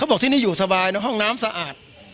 บอกที่นี่อยู่สบายนะห้องน้ำสะอาด